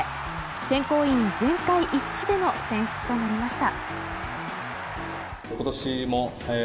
選考委員全会一致での選出となりました。